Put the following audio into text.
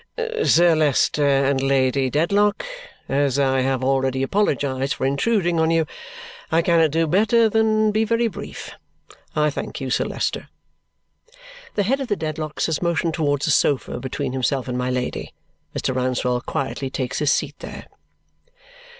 "Sir Leicester and Lady Dedlock, as I have already apologized for intruding on you, I cannot do better than be very brief. I thank you, Sir Leicester." The head of the Dedlocks has motioned towards a sofa between himself and my Lady. Mr. Rouncewell quietly takes his seat there.